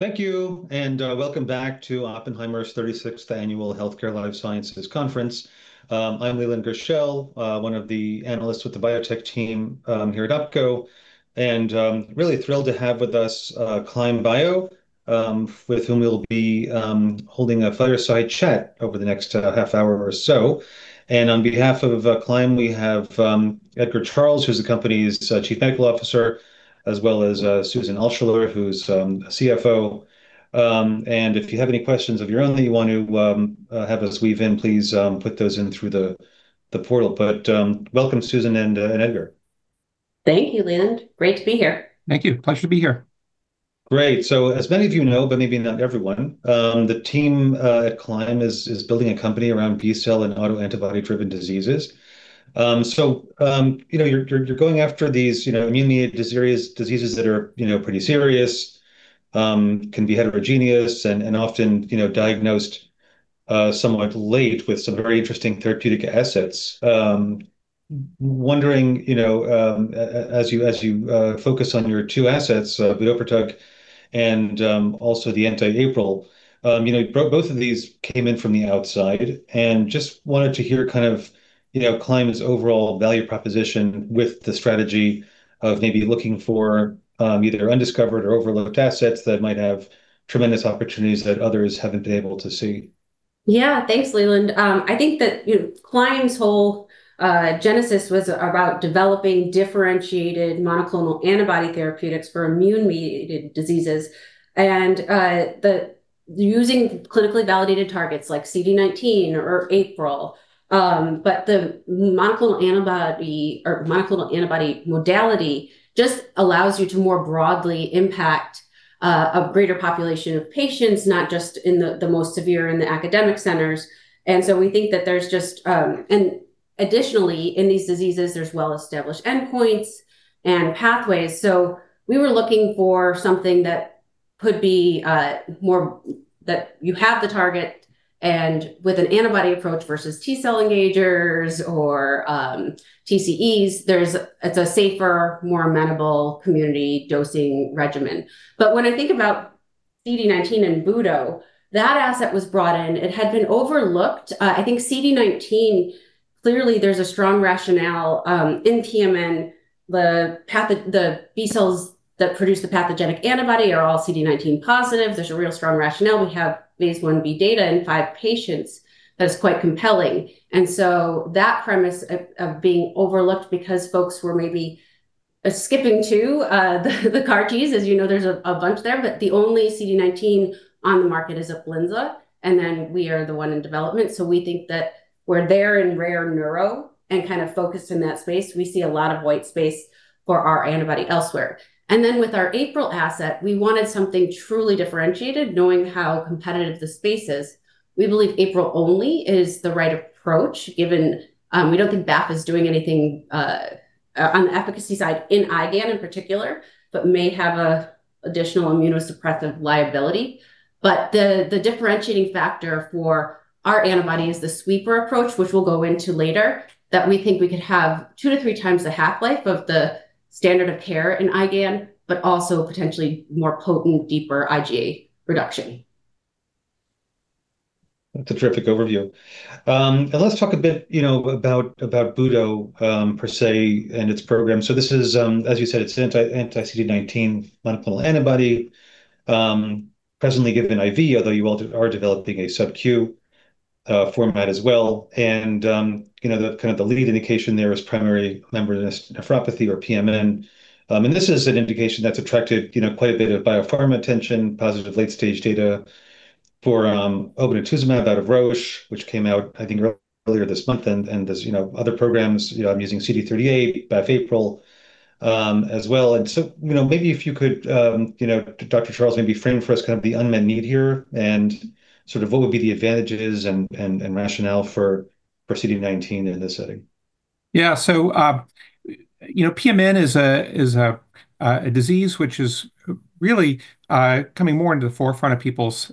Thank you. Welcome back to Oppenheimer's 36th Annual Healthcare Life Sciences Conference. I'm Leland Gershell, one of the analysts with the biotech team, here at OpCo, and really thrilled to have with us, Climb Bio, with whom we'll be holding a fireside chat over the next half hour or so. On behalf of Climb, we have Edgar Charles, who's the company's Chief Medical Officer, as well as Susan Altschuller, who's CFO. If you have any questions of your own that you want to have us weave in, please put those in through the portal. Welcome, Susan and Edgar. Thank you, Leland. Great to be here. Thank you. Pleasure to be here. Great. As many of you know, but maybe not everyone, the team at Climb is building a company around B-cell and autoantibody-driven diseases. You know, you're going after these, you know, immune-mediated diseases that are, you know, pretty serious, can be heterogeneous, and often, you know, diagnosed somewhat late with some very interesting therapeutic assets. Wondering, you know, as you focus on your two assets, budoprutug and also the anti-APRIL, you know, both of these came in from the outside, and just wanted to hear kind of, you know, Climb's overall value proposition with the strategy of maybe looking for either undiscovered or overlooked assets that might have tremendous opportunities that others haven't been able to see. Yeah. Thanks, Leland. I think that, you know, Climb's whole genesis was about developing differentiated monoclonal antibody therapeutics for immune-mediated diseases, using clinically validated targets like CD19 or APRIL. The monoclonal antibody, or monoclonal antibody modality just allows you to more broadly impact a greater population of patients, not just in the most severe in the academic centers. We think that there's just. In these diseases, there's well-established endpoints and pathways. We were looking for something that could be more, that you have the target, with an antibody approach versus T-cell engagers or TCEs, it's a safer, more amenable community dosing regimen. When I think about CD19 and Budo, that asset was brought in. It had been overlooked. I think CD19, clearly, there's a strong rationale in PMN. The B cells that produce the pathogenic antibody are all CD19 positive. There's a real strong rationale. We have phase IB data in five patients that is quite compelling. That premise of being overlooked because folks were maybe skipping to the CAR-Ts, as you know, there's a bunch there, but the only CD19 on the market is UPLIZNA. We are the one in development. We think that we're there in rare neuro and kind of focused in that space. We see a lot of white space for our antibody elsewhere. With our APRIL asset, we wanted something truly differentiated, knowing how competitive the space is. We believe APRIL only is the right approach, given, we don't think BAFF is doing anything, on the efficacy side, in IgAN in particular, but may have an additional immunosuppressive liability. The differentiating factor for our antibody is the sweeper approach, which we'll go into later, that we think we could have two to three times the half-life of the standard of care in IgAN, but also potentially more potent, deeper IgA reduction. That's a terrific overview. Let's talk a bit, you know, about Budo per se, and its program. This is, as you said, it's an anti-CD19 monoclonal antibody, presently given IV, although you all are developing a sub-Q format as well. You know, the kind of the lead indication there is primary membranous nephropathy or PMN. This is an indication that's attracted, you know, quite a bit of biopharma attention, positive late-stage data for obinutuzumab out of Roche, which came out, I think, earlier this month, and there's, you know, other programs, you know, using CD38, BAFF APRIL as well. You know, maybe if you could, you know, Dr. Charles, maybe frame for us kind of the unmet need here and sort of what would be the advantages and rationale for proceeding CD19 in this setting. Yeah. You know, PMN is a disease which is really coming more into the forefront of people's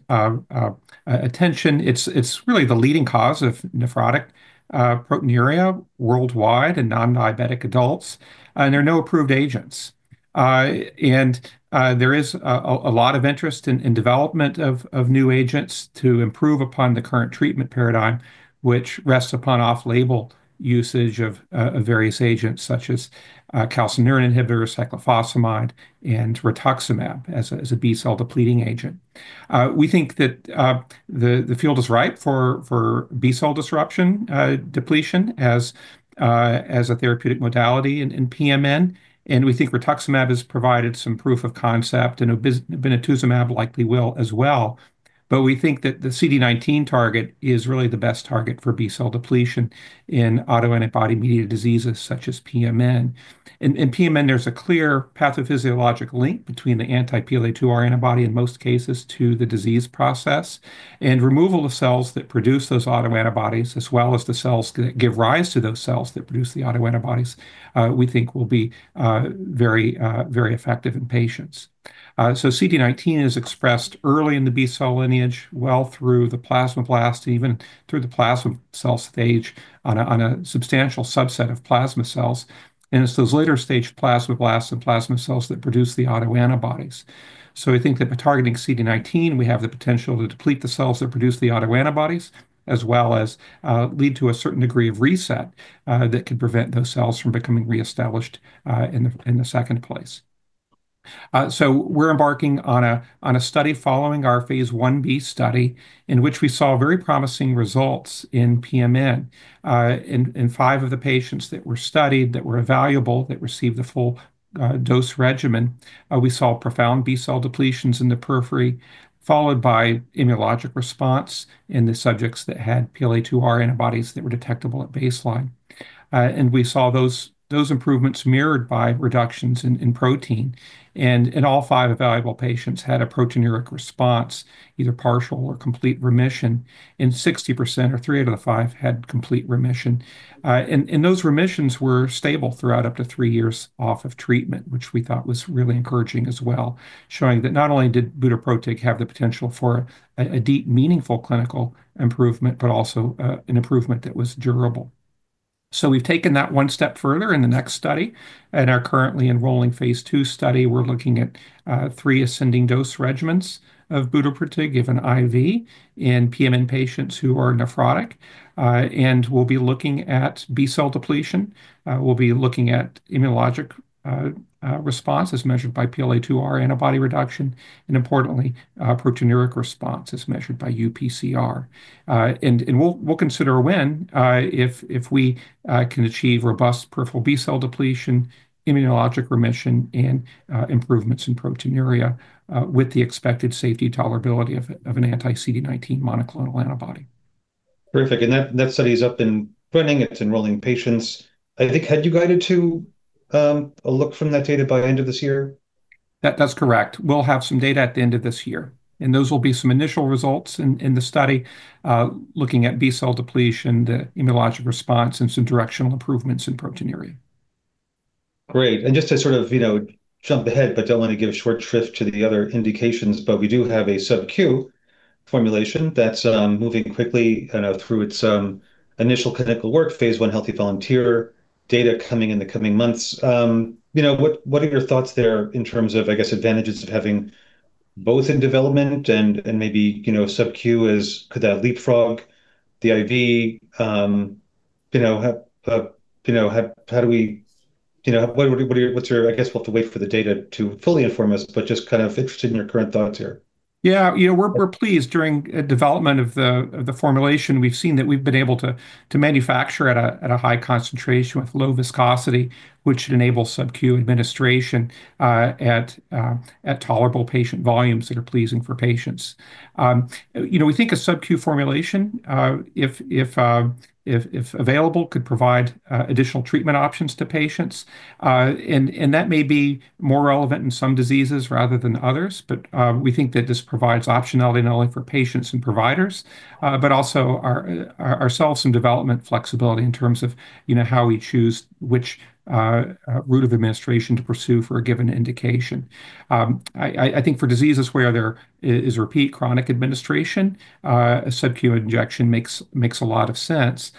attention. It's really the leading cause of nephrotic proteinuria worldwide in non-diabetic adults, and there are no approved agents. There is a lot of interest in development of new agents to improve upon the current treatment paradigm, which rests upon off-label usage of various agents such as calcineurin inhibitor, cyclophosphamide, and rituximab as a B-cell depleting agent. We think that the field is ripe for B-cell disruption, depletion as a therapeutic modality in PMN, and we think rituximab has provided some proof of concept, and obinutuzumab likely will as well. We think that the CD19 target is really the best target for B-cell depletion in autoantibody-mediated diseases such as PMN. In PMN, there's a clear pathophysiologic link between the anti-PLA2R antibody, in most cases, to the disease process, and removal of cells that produce those autoantibodies, as well as the cells that give rise to those cells that produce the autoantibodies, we think will be very effective in patients. CD19 is expressed early in the B-cell lineage, well through the plasmablast, even through the plasma cell stage, on a substantial subset of plasma cells, and it's those later-stage plasmablasts and plasma cells that produce the autoantibodies. I think that by targeting CD19, we have the potential to deplete the cells that produce the autoantibodies, as well as, lead to a certain degree of reset that could prevent those cells from becoming reestablished in the second place. We're embarking on a study following our phase one B study, in which we saw very promising results in PMN. In five of the patients that were studied, that were evaluable, that received the full dose regimen, we saw profound B-cell depletions in the periphery, followed by immunologic response in the subjects that had PLA2R antibodies that were detectable at baseline. We saw those improvements mirrored by reductions in protein. In all five evaluable patients had a proteinuria response, either partial or complete remission, and 60% or three out of the five had complete remission. And those remissions were stable throughout up to three years off of treatment, which we thought was really encouraging as well, showing that not only did budoprutug have the potential for a deep, meaningful clinical improvement, but also an improvement that was durable. We've taken that one step further in the next study, and are currently enrolling phase 2 study. We're looking at three ascending dose regimens of budoprutug, given IV in PMN patients who are nephrotic, and we'll be looking at B-cell depletion. We'll be looking at immunologic response as measured by PLA2R antibody reduction, and importantly, proteinuria response as measured by UPCR. We'll consider when, if we can achieve robust peripheral B-cell depletion, immunologic remission, and improvements in proteinuria, with the expected safety tolerability of an anti-CD19 monoclonal antibody. Terrific. That study is up and running. It's enrolling patients. I think, had you guided to a look from that data by the end of this year? That's correct. We'll have some data at the end of this year. Those will be some initial results in the study looking at B-cell depletion, the immunologic response, and some directional improvements in proteinuria. Great. Just to sort of, you know, jump ahead, but don't want to give short shrift to the other indications, but we do have a sub-Q formulation that's moving quickly through its initial clinical work, phase 1 healthy volunteer data coming in the coming months. You know, what are your thoughts there in terms of, I guess, advantages of having both in development and maybe, you know, sub-Q could that leapfrog the IV? You know, how do we. You know, what's your I guess, we'll have to wait for the data to fully inform us, but just kind of interested in your current thoughts here. Yeah, you know, we're pleased. During development of the formulation, we've seen that we've been able to manufacture at a high concentration with low viscosity, which should enable sub-Q administration at tolerable patient volumes that are pleasing for patients. You know, we think a sub-Q formulation, if available, could provide additional treatment options to patients, and that may be more relevant in some diseases rather than others. We think that this provides optionality not only for patients and providers, but also ourselves some development flexibility in terms of, you know, how we choose which route of administration to pursue for a given indication. For diseases where there is repeat chronic administration, a sub-Q injection makes a lot of sense.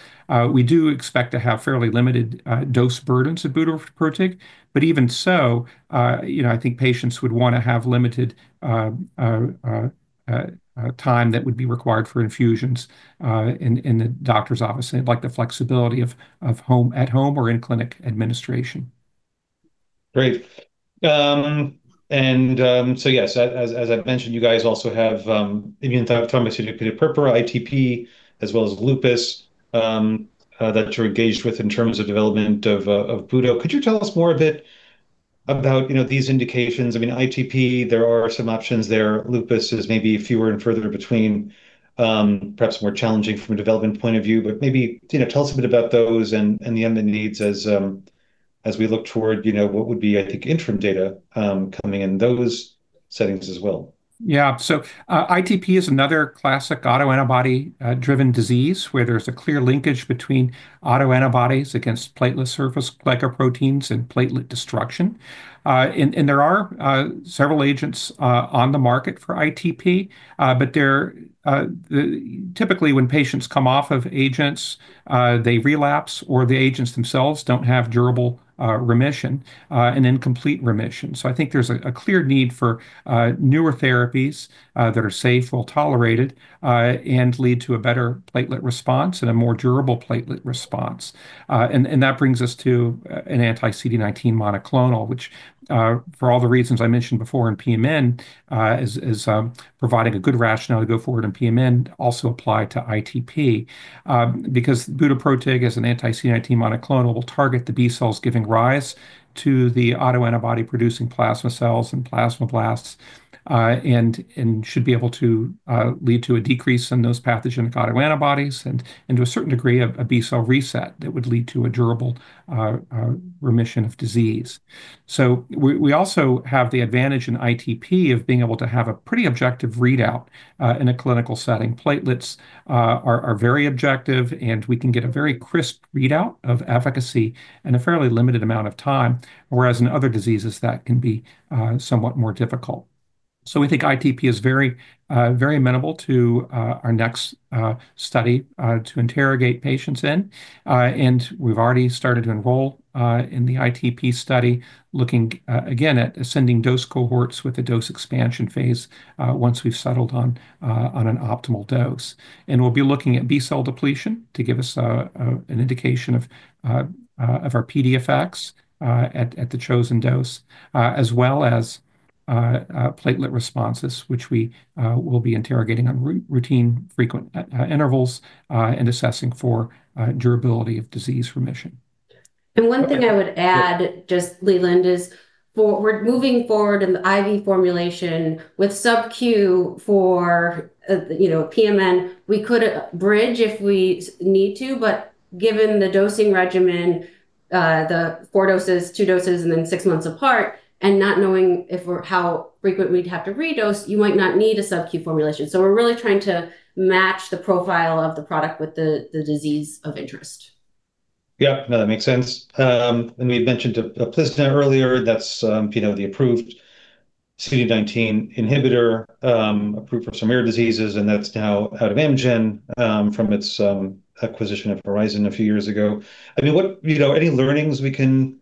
We do expect to have fairly limited dose burdens of budoprutug, but even so, you know, I think patients would want to have limited time that would be required for infusions in the doctor's office. They'd like the flexibility of at home or in clinic administration. Great. Yes, as I mentioned, you guys also have immune thrombocytopenic purpura, ITP, as well as lupus that you're engaged with in terms of development of budoprutug. Could you tell us more a bit about, you know, these indications? I mean, ITP, there are some options there. Lupus is maybe fewer and further between, perhaps more challenging from a development point of view, but maybe, you know, tell us a bit about those and the unmet needs as we look toward, you know, what would be, I think, interim data coming in those settings as well. Yeah. ITP is another classic autoantibody driven disease, where there's a clear linkage between autoantibodies against platelet surface glycoproteins and platelet destruction. There are several agents on the market for ITP, but they're, typically, when patients come off of agents, they relapse, or the agents themselves don't have durable remission, and in complete remission. I think there's a clear need for newer therapies that are safe, well-tolerated, and lead to a better platelet response and a more durable platelet response. That brings us to an anti-CD19 monoclonal, which, for all the reasons I mentioned before in PMN, is providing a good rationale to go forward in PMN, also apply to ITP. Because budoprutug as an anti-CD19 monoclonal, will target the B cells, giving rise to the autoantibody-producing plasma cells and plasmablast, and should be able to lead to a decrease in those pathogenic autoantibodies, and to a certain degree, a B cell reset that would lead to a durable remission of disease. We also have the advantage in ITP of being able to have a pretty objective readout in a clinical setting. Platelets are very objective, and we can get a very crisp readout of efficacy in a fairly limited amount of time, whereas in other diseases, that can be somewhat more difficult. We think ITP is very amenable to our next study to interrogate patients in. We've already started to enroll in the ITP study, looking again, at ascending dose cohorts with a dose expansion phase, once we've settled on an optimal dose. We'll be looking at B-cell depletion to give us an indication of our PD effects at the chosen dose, as well as platelet responses, which we will be interrogating on routine, frequent intervals, and assessing for durability of disease remission. One thing I would add, just Leland, is we're moving forward in the IV formulation with sub-Q for, you know, PMN. We could bridge if we need to, but given the dosing regimen, the four doses, two doses, and then six months apart, and not knowing if we're how frequent we'd have to redose, you might not need a sub-Q formulation. We're really trying to match the profile of the product with the disease of interest. Yeah, no, that makes sense. We had mentioned UPLIZNA earlier. That's, you know, the approved CD19 inhibitor, approved for some rare diseases, and that's now out of Amgen, from its acquisition of Horizon a few years ago. I mean, what, you know, any learnings we can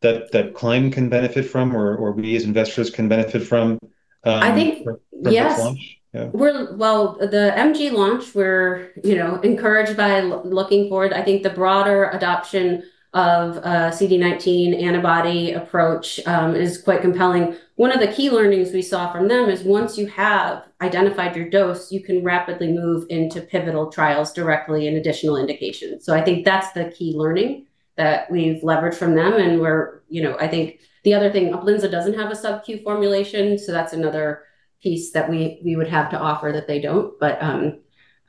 that Climb can benefit from or, we as investors can benefit from? I think. The launch? Yeah. We're the MG launch, we're, you know, encouraged by looking forward. I think the broader adoption of CD19 antibody approach is quite compelling. One of the key learnings we saw from them is once you have identified your dose, you can rapidly move into pivotal trials directly in additional indications. I think that's the key learning that we've leveraged from them. You know, I think the other thing, UPLIZNA doesn't have a sub-Q formulation, that's another piece that we would have to offer that they don't.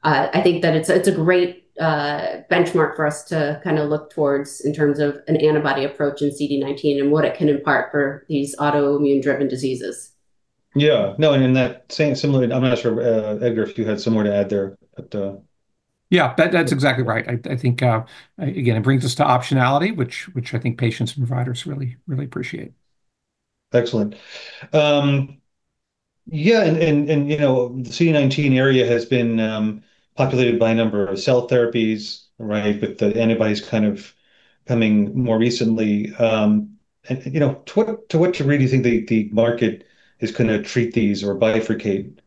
I think that it's a great benchmark for us to kinda look towards in terms of an antibody approach in CD19 and what it can impart for these autoimmune-driven diseases. Yeah. No, in that same similarly, I'm not sure, Edgar, if you had somewhere to add there, but. Yeah, that's exactly right. I think again, it brings us to optionality, which I think patients and providers really appreciate. Excellent. You know, the CD19 area has been populated by a number of cell therapies, right? The antibody's kind of coming more recently. You know, to what degree do you think the market is gonna treat these or bifurcate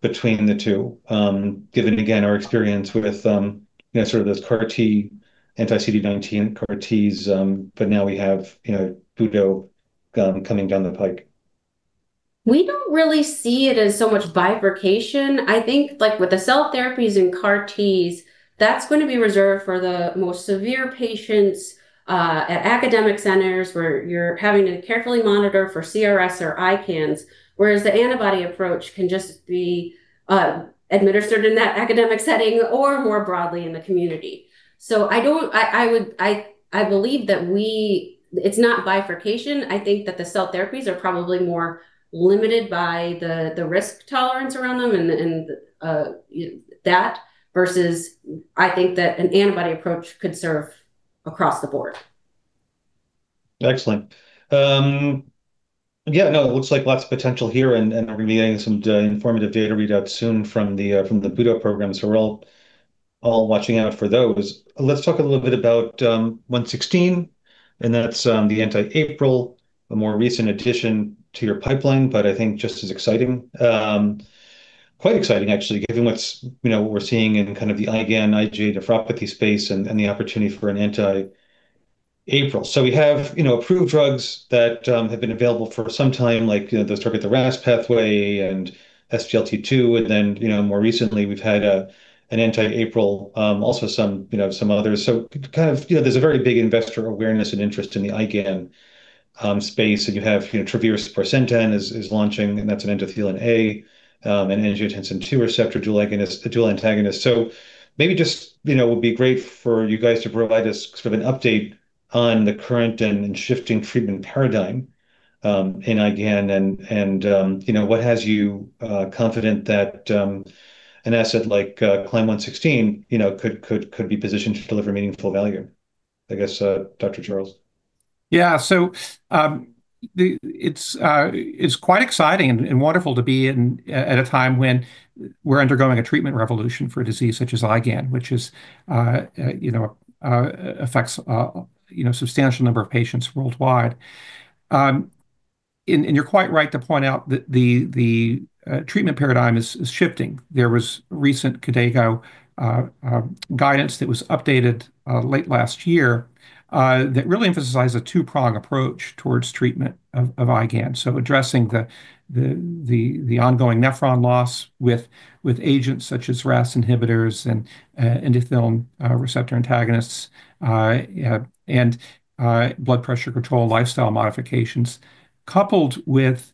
between the two? Given, again, our experience with, you know, sort of those CAR T, anti-CD19 CAR Ts, now we have, you know, budo coming down the pike. We don't really see it as so much bifurcation. I think, like, with the cell therapies and CAR-T, that's gonna be reserved for the most severe patients at academic centers, where you're having to carefully monitor for CRS or ICANS, whereas the antibody approach can just be administered in that academic setting or more broadly in the community. I believe that it's not bifurcation. I think that the cell therapies are probably more limited by the risk tolerance around them and that, versus I think that an antibody approach could serve across the board. Excellent. Yeah, no, it looks like lots of potential here, and we'll be getting some informative data readout soon from the budo program. We're all watching out for those. Let's talk a little bit about 116. That's the anti-APRIL, a more recent addition to your pipeline. I think just as exciting. Quite exciting, actually, given what's, you know, what we're seeing in kind of the IgAN, IgA nephropathy space and the opportunity for an anti-APRIL. We have, you know, approved drugs that have been available for some time, like, you know, those target the RAS pathway and SGLT2, and then, you know, more recently, we've had an anti-APRIL, also some, you know, some others. Kind of, you know, there's a very big investor awareness and interest in the IgAN space, you have, you know, Travere's sparsentan is launching, that's an Endothelin A and Angiotensin II receptor dual antagonist. Maybe just, you know, it would be great for you guys to provide us sort of an update on the current and shifting treatment paradigm in IgAN, and you know, what has you confident that an asset like CLYM116, you know, could be positioned to deliver meaningful value? I guess, Dr. Charles. It's quite exciting and wonderful to be in, at a time when we're undergoing a treatment revolution for a disease such as IgAN, which is, you know, affects, you know, a substantial number of patients worldwide. You're quite right to point out that the treatment paradigm is shifting. There was recent KDIGO guidance that was updated late last year that really emphasized a two-prong approach towards treatment of IgAN. Addressing the ongoing nephron loss with agents such as RAS inhibitors and endothelin receptor antagonists and blood pressure control, lifestyle modifications, coupled with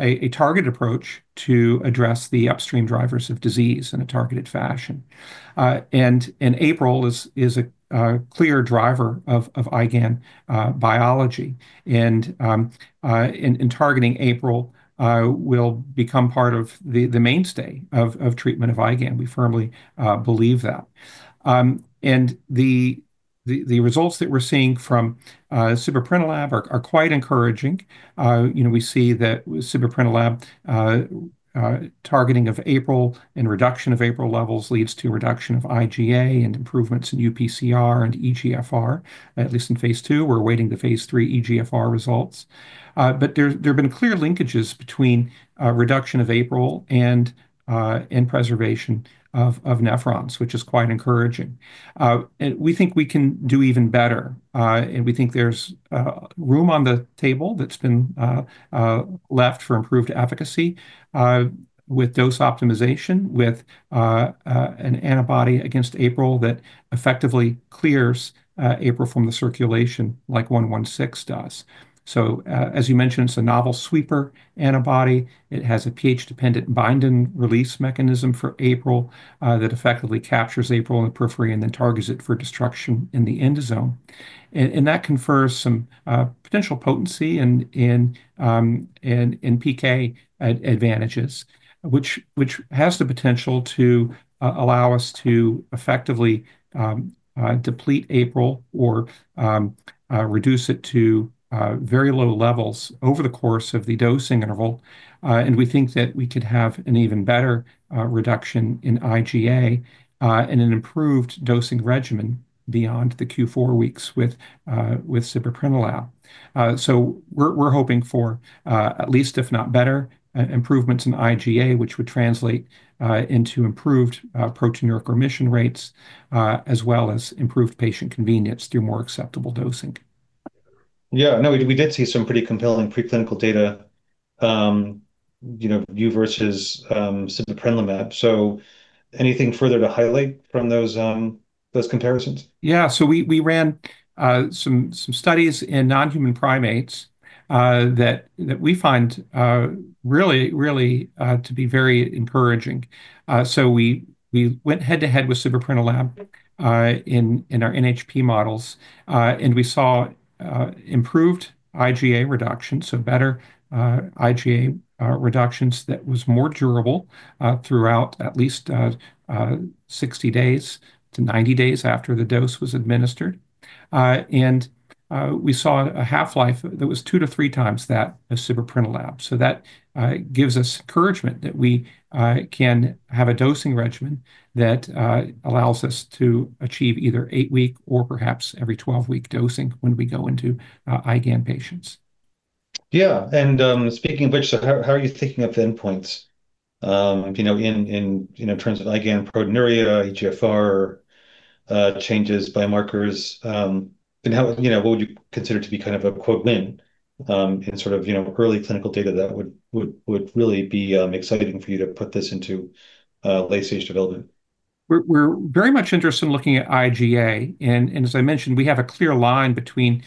a targeted approach to address the upstream drivers of disease in a targeted fashion. APRIL is a clear driver of IgAN biology, and targeting APRIL will become part of the mainstay of treatment of IgAN. We firmly believe that. The results that we're seeing from Sibeprenlimab are quite encouraging. You know, we see that with Sibeprenlimab, targeting of APRIL and reduction of APRIL levels leads to reduction of IgA and improvements in UPCR and eGFR, at least in phase 2. We're awaiting the phase 3 eGFR results. There have been clear linkages between reduction of APRIL and preservation of nephrons, which is quite encouraging. We think we can do even better, and we think there's room on the table that's been left for improved efficacy, with dose optimization, with an antibody against APRIL that effectively clears APRIL from the circulation like CLYM116 does. As you mentioned, it's a novel sweeper antibody. It has a pH-dependent bind and release mechanism for APRIL, that effectively captures APRIL in the periphery and then targets it for destruction in the endosome. That confers some potential potency and PK advantages, which has the potential to allow us to effectively deplete APRIL or reduce it to very low levels over the course of the dosing interval. We think that we could have an even better reduction in IgA, and an improved dosing regimen beyond the Q4 weeks with Sibeprenlimab. We're hoping for at least, if not better, improvements in IgA, which would translate into improved proteinuria remission rates, as well as improved patient convenience through more acceptable dosing. Yeah, no, we did see some pretty compelling preclinical data, you know, you versus Sibeprenlimab. Anything further to highlight from those those comparisons? Yeah. So we ran some studies in non-human primates that we find really, really to be very encouraging. So we went head-to-head with Sibeprenlimab in our NHP models, and we saw improved IgA reduction, so better IgA reductions that was more durable throughout at least 60 days to 90 days after the dose was administered. We saw a half-life that was 2 to 3 times that of Sibeprenlimab. That gives us encouragement that we can have a dosing regimen that allows us to achieve either 8-week or perhaps every 12-week dosing when we go into IgAN patients. Yeah, speaking of which, how are you thinking of the endpoints, you know, in, you know, terms of IgAN proteinuria, eGFR, changes, biomarkers? How, you know, what would you consider to be kind of a quote, "win," in sort of, you know, early clinical data that would really be exciting for you to put this into late-stage development? We're very much interested in looking at IgA, and as I mentioned, we have a clear line between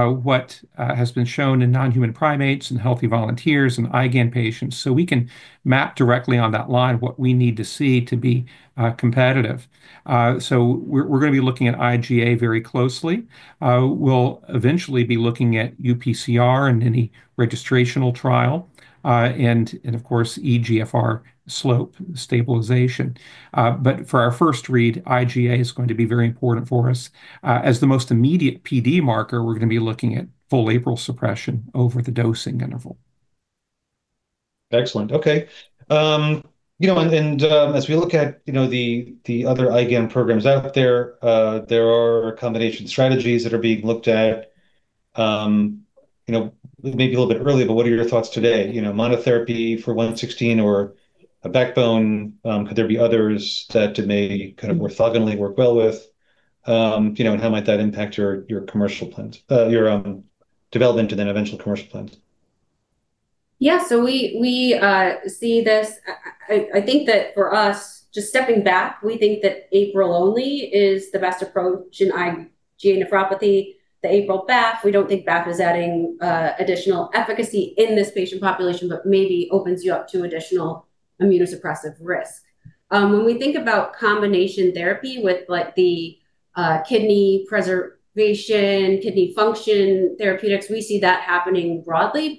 what has been shown in non-human primates and healthy volunteers and IgAN patients. We can map directly on that line what we need to see to be competitive. We're gonna be looking at IgA very closely. We'll eventually be looking at UPCR in any registrational trial, and of course, eGFR slope stabilization. For our first read, IgA is going to be very important for us. As the most immediate PD marker, we're gonna be looking at full APRIL suppression over the dosing interval. Excellent. Okay, you know, and, as we look at, you know, the other IgAN programs out there are combination strategies that are being looked at. You know, maybe a little bit early, but what are your thoughts today? You know, monotherapy for 116 or a backbone, could there be others that it may kind of orthogonally work well with? You know, and how might that impact your commercial plans, your, development and then eventual commercial plans? Yeah, we see this. I think that for us, just stepping back, we think that APRIL only is the best approach in IgA nephropathy. The APRIL BAFF, we don't think BAFF is adding additional efficacy in this patient population, but maybe opens you up to additional immunosuppressive risk. When we think about combination therapy with, like, the kidney preservation, kidney function therapeutics, we see that happening broadly.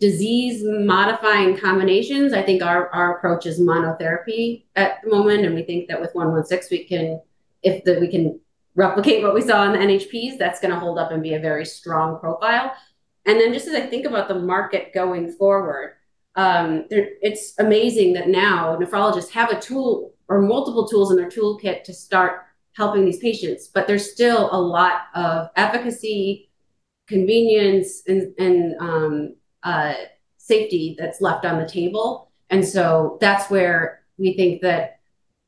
Disease-modifying combinations, I think our approach is monotherapy at the moment, and we think that with 116, we can replicate what we saw in the NHPs, that's gonna hold up and be a very strong profile. Just as I think about the market going forward, it's amazing that now nephrologists have a tool or multiple tools in their toolkit to start helping these patients, but there's still a lot of efficacy, convenience, and safety that's left on the table. That's where we think that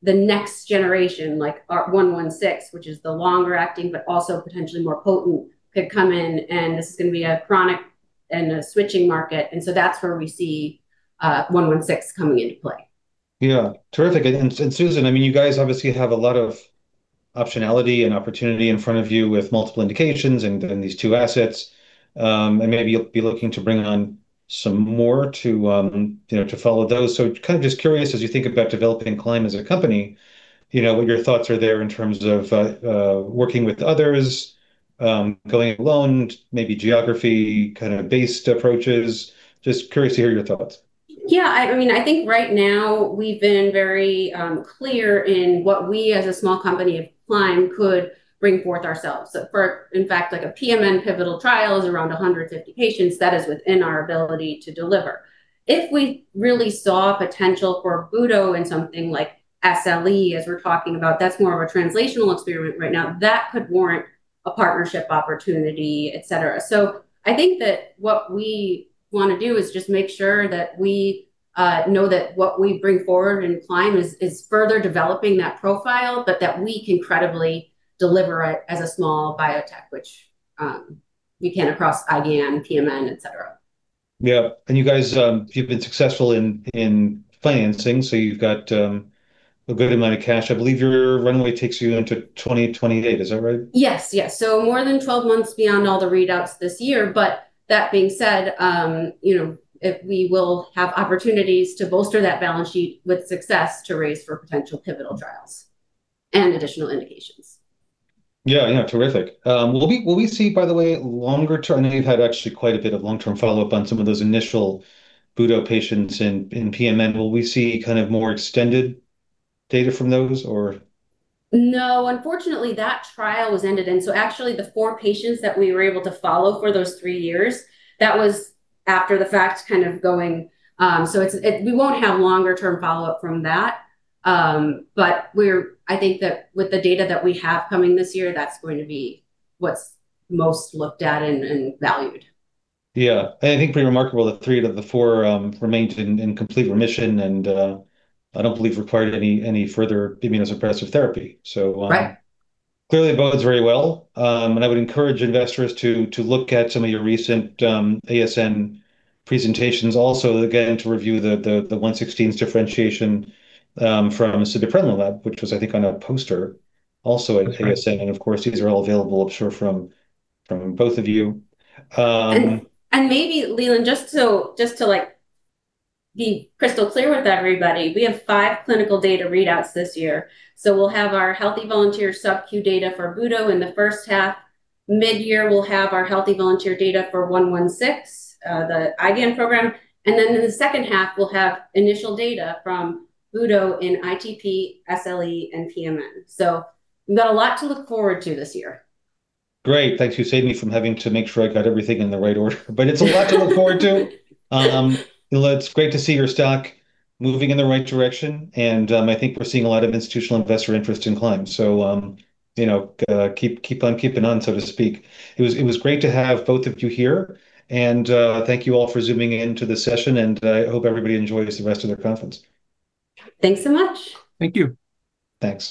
the next generation, like our 116, which is the longer acting, but also potentially more potent, could come in, and this is gonna be a chronic and a switching market. That's where we see 116 coming into play. Yeah. Terrific. Susan, I mean, you guys obviously have a lot of optionality and opportunity in front of you with multiple indications and these two assets, and maybe you'll be looking to bring on some more to, you know, to follow those. Kind of just curious, as you think about developing Climb as a company, you know, what your thoughts are there in terms of working with others? Going it alone, maybe geography kind of based approaches. Just curious to hear your thoughts. I mean, I think right now we've been very clear in what we as a small company of Climb could bring forth ourselves. In fact, like a PMN pivotal trial is around 150 patients, that is within our ability to deliver. If we really saw potential for Budo in something like SLE, as we're talking about, that's more of a translational experiment right now, that could warrant a partnership opportunity, et cetera. I think that what we wanna do is just make sure that we know that what we bring forward in Climb is further developing that profile, but that we can credibly deliver it as a small biotech, which we can across IgAN, PMN, et cetera. Yeah. You guys, you've been successful in financing, so you've got, a good amount of cash. I believe your runway takes you into 2028. Is that right? Yes, yes. More than 12 months beyond all the readouts this year, but that being said, you know, if we will have opportunities to bolster that balance sheet with success to raise for potential pivotal trials and additional indications. Yeah, yeah, terrific. Will we see, by the way, longer term, I know you've had actually quite a bit of long-term follow-up on some of those initial budo patients in PMN. Will we see kind of more extended data from those or? No, unfortunately, that trial was ended, and so actually the four patients that we were able to follow for those three years, that was after the fact kind of going. It's, it, we won't have longer term follow-up from that. We're I think that with the data that we have coming this year, that's going to be what's most looked at and valued. Yeah. I think pretty remarkable that three of the four remained in complete remission and I don't believe required any further immunosuppressive therapy, so. Right... clearly bodes very well. I would encourage investors to look at some of your recent ASN presentations. Again, to review the 116's differentiation from Sibeprenlimab, which was, I think, on a poster also at ASN. Of course, these are all available, I'm sure, from both of you. Maybe, Leland, just to, like, be crystal clear with everybody, we have 5 clinical data readouts this year. We'll have our healthy volunteer sub-Q data for budo in the first half. Mid-year, we'll have our healthy volunteer data for 116, the IgAN program. In the second half, we'll have initial data from budo in ITP, SLE, and PMN. We've got a lot to look forward to this year. Great. Thanks. You saved me from having to make sure I got everything in the right order, but it's a lot to look forward to. It's great to see your stock moving in the right direction, and I think we're seeing a lot of institutional investor interest in Climb Bio. You know, keep on keeping on, so to speak. It was great to have both of you here, and thank you all for Zooming into the session, and I hope everybody enjoys the rest of their conference. Thanks so much. Thank you. Thanks.